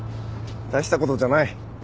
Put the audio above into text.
大したことじゃない。